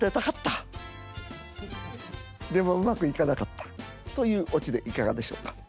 でもうまくいかなかった。というオチでいかがでしょうか？